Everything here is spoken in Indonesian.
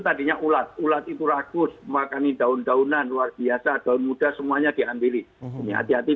tadinya ulat ulat itu ragus makani daun daunan luar biasa dan mudah semuanya diambil ini hati hati